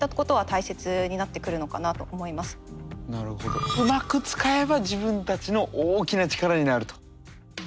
うまく使えば自分たちの大きな力になると。